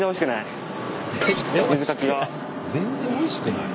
全然おいしくない。